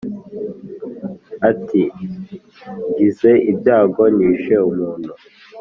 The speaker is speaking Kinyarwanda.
ati «ngize ibyago nishe umuntu;